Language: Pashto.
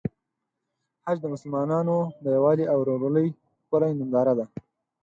حج د مسلمانانو د یووالي او ورورولۍ ښکلی ننداره ده.